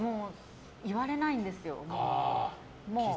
言われないんですよ、もう。